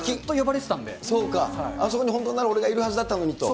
そうか、あそこに本当なら俺がいるはずだったのにと。